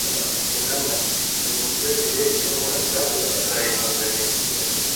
Umwami ati “Nimunzanire inkota” Barayimuzanira